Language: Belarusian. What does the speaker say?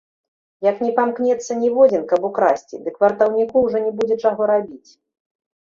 Як не памкнецца ніводзін, каб украсці, дык вартаўніку ўжо не будзе чаго рабіць.